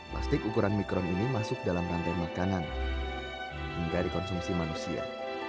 plastik ukuran mikron ini masuk dalam rantai makanan hingga dikonsumsi manusia